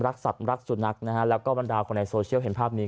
สัตว์รักสุนัขนะฮะแล้วก็บรรดาคนในโซเชียลเห็นภาพนี้